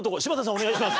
お願いします。